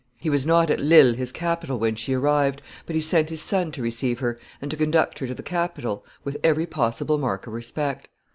He was not at Lille, his capital, when she arrived, but he sent his son to receive her, and to conduct her to the capital, with every possible mark of respect.